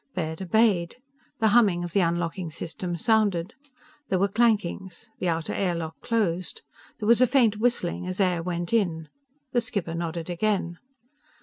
Baird obeyed. The humming of the unlocking system sounded. There were clankings. The outer air lock dosed. There was a faint whistling as air went in. The skipper nodded again.